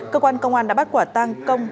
cơ quan công an đã bắt quả tăng công